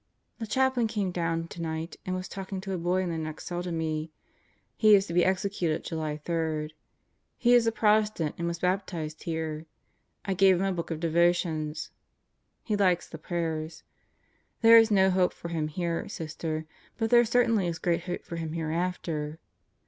The Chaplain came down tonight and was talking to the boy in the next cell to me. He is to be executed July 3. He is a Protestant and was baptized here. I gave him a book of devotions. He likes the prayers. There is no hope for him here, Sister; but there cer tainly is great hope for him hereafter.